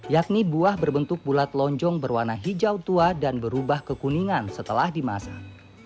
yakni buah berbentuk bulat lonjong berwarna hijau tua dan berubah kekuningan setelah dimasak